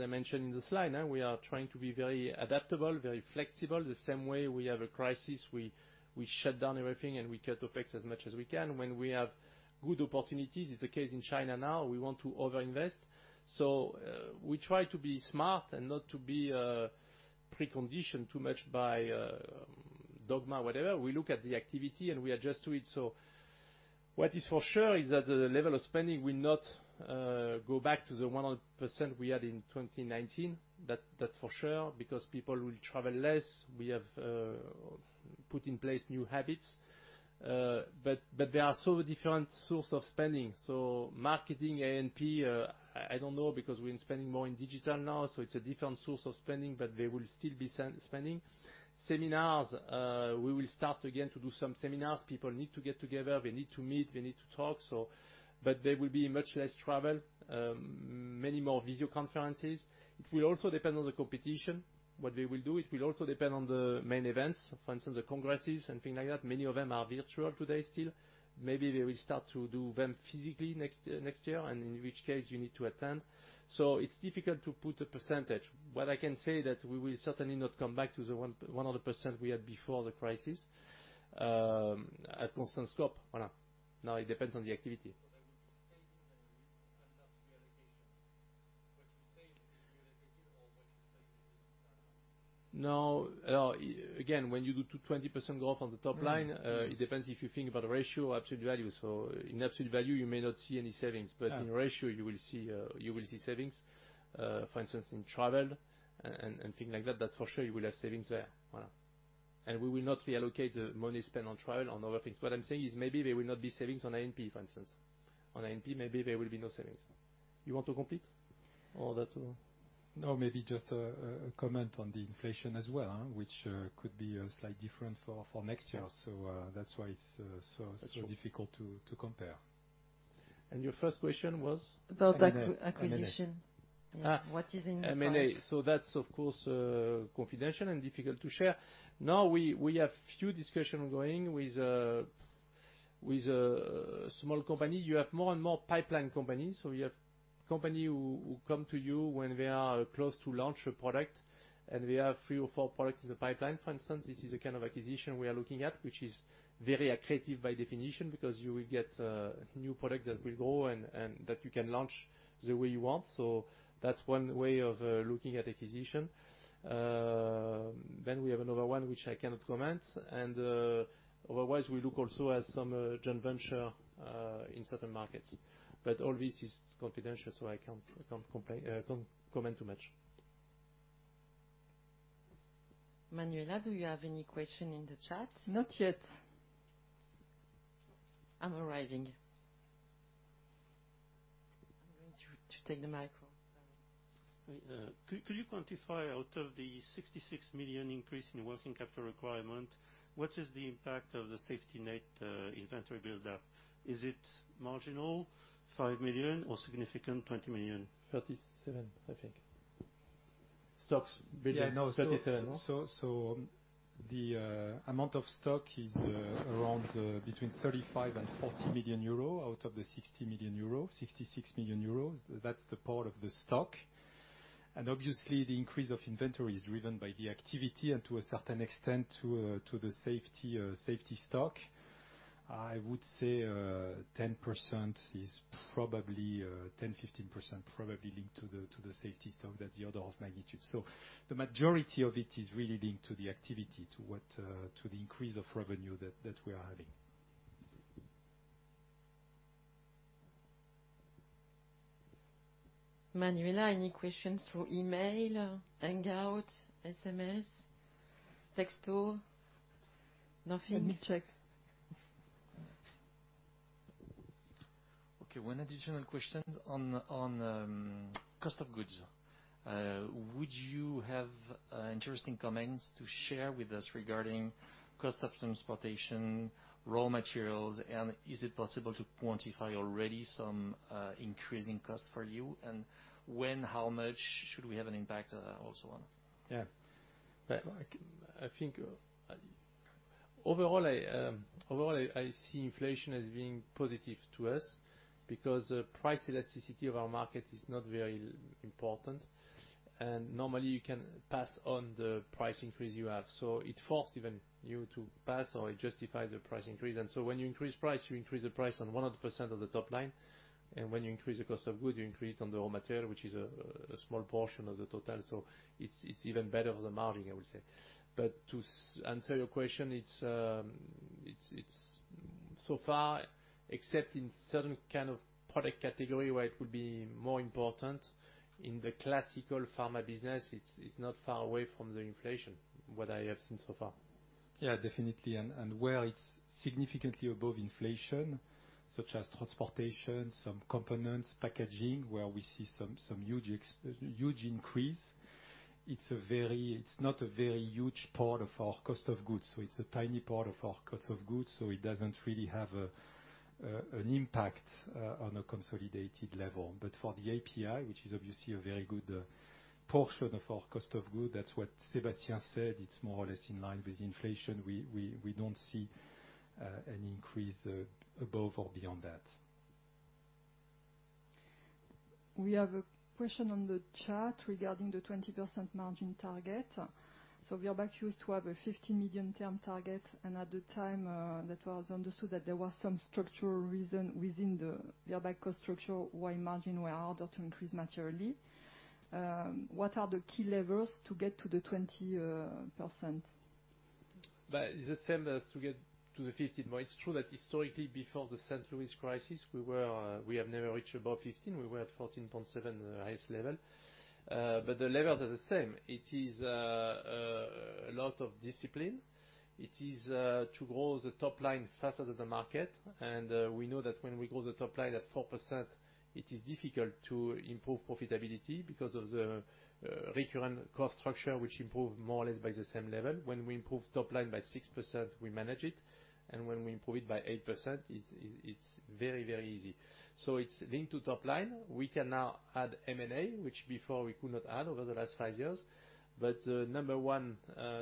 I mentioned in the slide, we are trying to be very adaptable, very flexible. The same way we have a crisis, we shut down everything, and we cut OpEx as much as we can. When we have good opportunities, it's the case in China now, we want to overinvest. We try to be smart and not to be preconditioned too much by dogma, whatever. We look at the activity, and we adjust to it. What is for sure is that the level of spending will not go back to the 100% we had in 2019. That's for sure, because people will travel less. We have put in place new habits. There are so many different sources of spending. Marketing, A&P, I don't know because we're spending more in digital now, so it's a different source of spending, but there will still be spending. Seminars, we will start again to do some seminars. People need to get together, they need to meet, they need to talk. There will be much less travel, many more video conferences. It will also depend on the competition, what they will do. It will also depend on the main events, for instance, the congresses and things like that. Many of them are virtual today still. Maybe they will start to do them physically next year, and in which case you need to attend. It's difficult to put a percentage. What I can say that we will certainly not come back to the 100% we had before the crisis, at constant scope. It depends on the activity. There will be savings and not reallocations. What you say is a reallocation or what you say is exactly. No. Again, when you do 20% growth on the top line, it depends if you think about ratio or absolute value. In absolute value, you may not see any savings, but in ratio, you will see savings. For instance, in travel and things like that's for sure you will have savings there. We will not reallocate the money spent on travel on other things. What I'm saying is maybe there will not be savings on A&P, for instance. On A&P, maybe there will be no savings. You want to complete on that? No, maybe just a comment on the inflation as well, which could be a slight different for next year. That's why it's so difficult to compare. Your first question was? About acquisition. M&A. What is in pipe? M&A. That's, of course, confidential and difficult to share. Now we have few discussion going with small company. You have more and more pipeline companies. You have company who come to you when they are close to launch a product, and we have three or four products in the pipeline, for instance. This is a kind of acquisition we are looking at, which is very accretive by definition, because you will get a new product that will grow and that you can launch the way you want. That's one way of looking at acquisition. We have another one, which I cannot comment. Otherwise, we look also at some joint venture, in certain markets. All this is confidential, so I can't comment too much. Manuela, do you have any question in the chat? Not yet. I'm arriving. I'm going to take the microphone. Sorry. Could you quantify out of the 66 million increase in working capital requirement, what is the impact of the safety net, inventory build-up? Is it marginal, 5 million or significant 20 million? 37 million, I think. Stocks build-up, 37 million, no? The amount of stock is around between 35 million and 40 million euro out of the 60 million euro, 66 million euros. That's the part of the stock. The increase of inventory is driven by the activity and to a certain extent to the safety stock. I would say 10% is probably 10%-15% probably linked to the safety stock. That's the order of magnitude. The majority of it is really linked to the activity, to the increase of revenue that we are having. Manuela, any questions through email, Hangout, SMS, Text tool? Nothing. Let me check. Okay, one additional question on cost of goods. Would you have interesting comments to share with us regarding cost of transportation, raw materials, and is it possible to quantify already some increase in cost for you? When, how much should we have an impact also on? Yeah. I think overall, I see inflation as being positive to us because price elasticity of our market is not very important, and normally you can pass on the price increase you have. It force even you to pass or it justifies the price increase. When you increase price, you increase the price on 100% of the top line. When you increase the cost of good, you increase it on the raw material, which is a small portion of the total. It's even better for the margin, I would say. To answer your question, so far except in certain kind of product category where it would be more important in the classical pharma business, it's not far away from the inflation, what I have seen so far. Yeah, definitely. Where it's significantly above inflation, such as transportation, some components, packaging, where we see some huge increase. It's not a very huge part of our cost of goods, so it's a tiny part of our cost of goods. It doesn't really have an impact on a consolidated level. For the API, which is obviously a very good portion of our cost of goods, that's what Sébastien said, it's more or less in line with inflation. We don't see an increase above or beyond that. We have a question on the chat regarding the 20% margin target. Virbac used to have a 50 million term target, and at the time, that was understood that there was some structural reason within the Virbac cost structure why margin were harder to increase materially. What are the key levers to get to the 20%? It's the same as to get to the 15%. It's true that historically, before the St. Louis crisis, we have never reached above 15%. We were at 14.7%, the highest level. The lever is the same. It is a lot of discipline. It is to grow the top line faster than the market. We know that when we grow the top line at 4%, it is difficult to improve profitability because of the recurrent cost structure, which improved more or less by the same level. When we improve top line by 6%, we manage it. When we improve it by 8%, it's very easy. It's linked to top line. We can now add M&A, which before we could not add over the last five years. Number one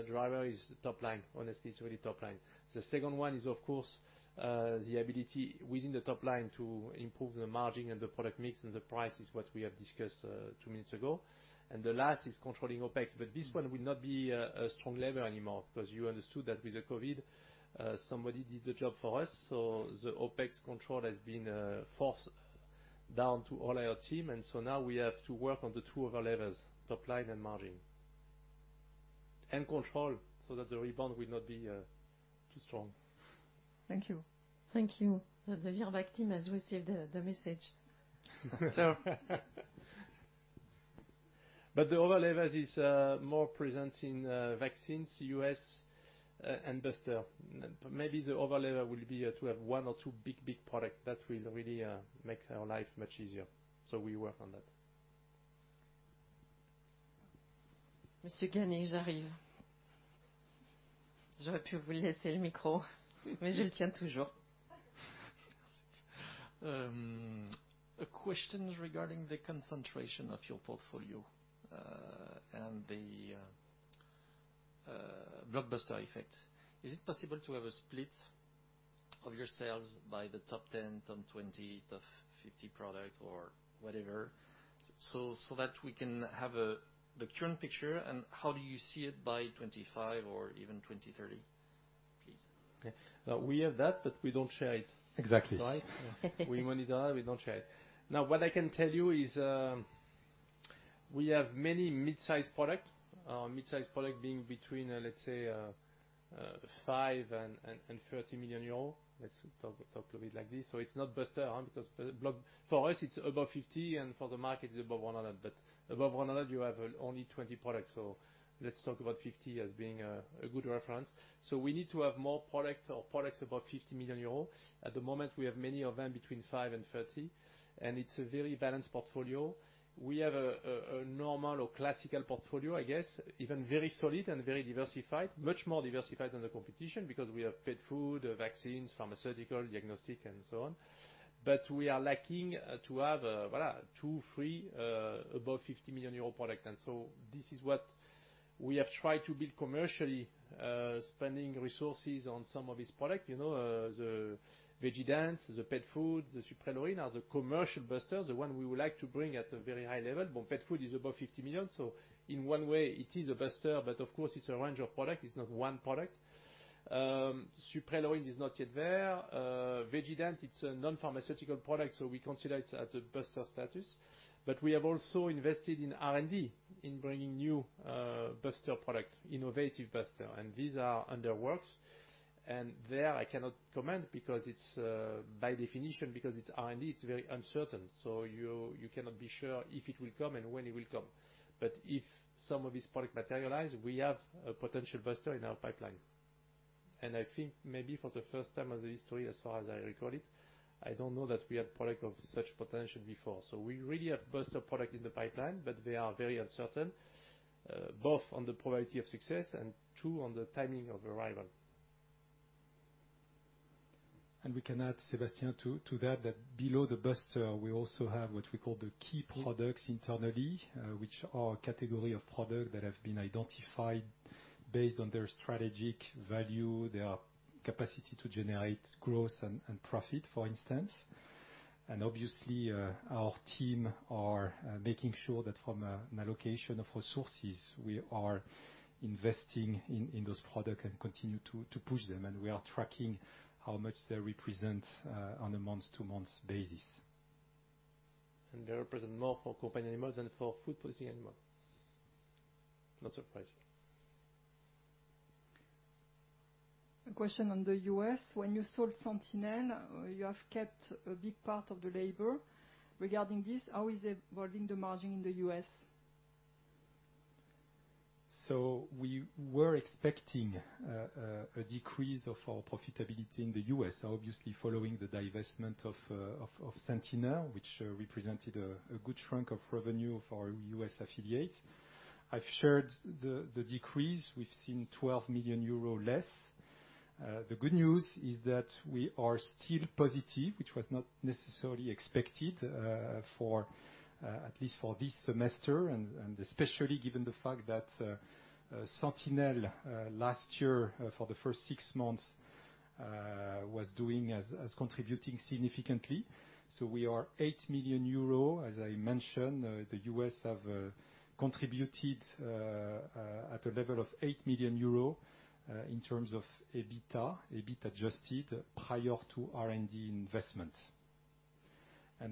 driver is top line. Honestly, it's really top line. The second one is, of course, the ability within the top line to improve the margin and the product mix and the price is what we have discussed two minutes ago. The last is controlling OpEx. This one will not be a strong lever anymore because you understood that with the COVID, somebody did the job for us. The OpEx control has been forced down to all our team. Now we have to work on the two other levers, top line and margin. Control so that the rebound will not be too strong. Thank you. Thank you. The Virbac team has received the message. The other levers is more present in vaccines, U.S. and blockbuster. Maybe the other lever will be to have one or two big product that will really make our life much easier. We work on that. Mr. Ganay, I'll come to you. I could have left you the mic, but I'm still holding it. A question regarding the concentration of your portfolio, and the blockbuster effect. Is it possible to have a split of your sales by the top 10, top 20, top 50 products or whatever, so that we can have a return picture, and how do you see it by 2025 or even 2030, please? Okay. We have that, but we don't share it. Exactly. We monitor it, we don't share it. What I can tell you is we have many mid-size product. Mid-size product being between, let's say, 5 million and 30 million euros. Let's talk a bit like this, so it's not blockbuster. For us, it's above 50 million, and for the market, it's above 100 million. Above 100 million, you have only 20 products. Let's talk about 50 million as being a good reference. We need to have more products above 50 million euros. At the moment, we have many of them between 5 million and 30 million, and it's a very balanced portfolio. We have a normal or classical portfolio, I guess, even very solid and very diversified. Much more diversified than the competition because we have pet food, vaccines, pharmaceutical, diagnostic, and so on. We are lacking to have two, three above 50 million euros product. This is what we have tried to build commercially, spending resources on some of these products. The Veggiedent, the pet food, the Suprelorin, are the commercial busters, the one we would like to bring at a very high level. Pet food is above 50 million, so in one way it is a buster, but of course it's a range of product. It's not one product. Suprelorin is not yet there. Veggiedent, it's a non-pharmaceutical product, so we consider it at a buster status. We have also invested in R&D, in bringing new buster product, innovative buster. These are under works. There, I cannot comment by definition, because it's R&D, it's very uncertain. You cannot be sure if it will come and when it will come. If some of these product materialize, we have a potential buster in our pipeline. I think maybe for the first time in the history, as far as I recall it, I don't know that we had product of such potential before. We really have blockbuster product in the pipeline, but they are very uncertain, both on the probability of success and two, on the timing of arrival. We can add, Sébastien, to that below the buster, we also have what we call the key products internally, which are category of product that have been identified based on their strategic value, their capacity to generate growth and profit, for instance. Obviously, our team are making sure that from an allocation of resources, we are investing in those product and continue to push them. We are tracking how much they represent on a month-to-month basis. They represent more for companion animals than for food-producing animal. Not surprising. A question on the U.S. When you sold SENTINEL, you have kept a big part of the labor. Regarding this, how is it evolving the margin in the U.S.? We were expecting a decrease of our profitability in the U.S., obviously following the divestment of Sentinel, which represented a good chunk of revenue for our U.S. affiliate. I've shared the decrease. We've seen 12 million euro less. The good news is that we are still positive, which was not necessarily expected at least for this semester, and especially given the fact that Sentinel, last year, for the first six months, was contributing significantly. We are 8 million euro. As I mentioned, the U.S. have contributed at a level of 8 million euro in terms of EBITDA, Adjusted EBIT prior to R&D investments.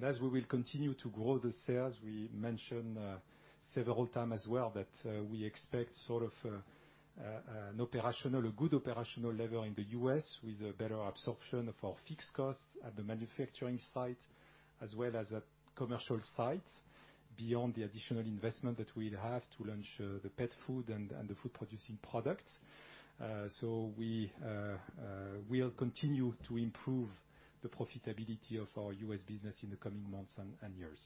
As we will continue to grow the sales, we mentioned several times as well that we expect a good operational level in the U.S. with a better absorption of our fixed costs at the manufacturing site, as well as at commercial sites, beyond the additional investment that we'll have to launch the pet food and the food-producing product. So we'll continue to improve the profitability of our U.S. business in the coming months and years.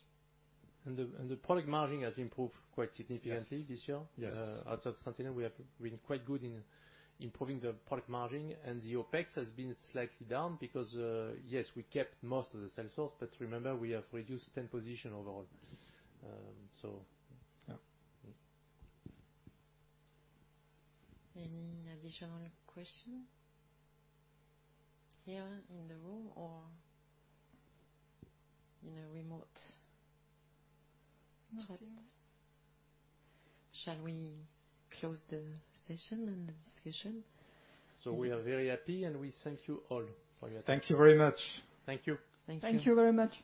The product margin has improved quite significantly this year. Yes. Outside SENTINEL, we have been quite good in improving the product margin, and the OpEx has been slightly down because, yes, we kept most of the sales force, but remember, we have reduced 10 position overall. Yeah. Any additional question here in the room or in a remote chat? Shall we close the session and the discussion? We are very happy, and we thank you all for your time. Thank you very much. Thank you. Thank you. Thank you very much.